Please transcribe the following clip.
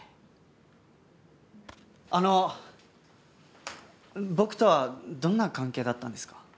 あの僕とはどんな関係だったんですか？